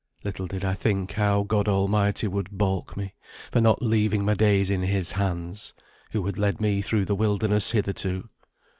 Little did I think how God Almighty would baulk me, for not leaving my days in His hands, who had led me through the wilderness hitherto.